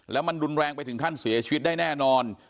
แล้วมันรุนแรงไปถึงขั้นเสียชีวิตได้แน่นอน